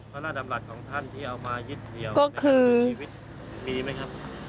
พระราชดำรัฐของท่านที่เอามายึดเหนียวในชีวิตมีไหมครับ